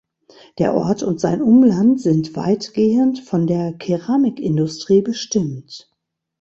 Der Ort und sein Umland sind weitgehend von der Keramikindustrie bestimmt.